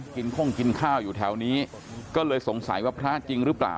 คงกินข้าวอยู่แถวนี้ก็เลยสงสัยว่าพระจริงหรือเปล่า